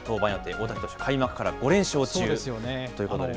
大竹投手、開幕から５連勝中ということで。